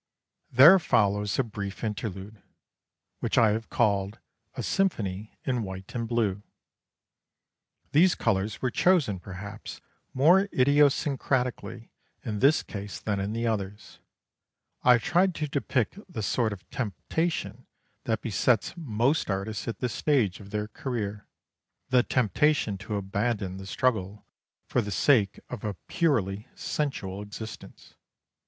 There follows a brief interlude, which I have called a "Symphony in White and Blue." These colours were chosen perhaps more idiosyncratically in this case than in the others. I have tried to depict the sort of temptation that besets most artists at this stage of their career: the temptation to abandon the struggle for the sake of a purely sensual existence.